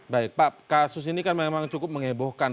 baik pak kasus ini kan memang cukup mengebohkan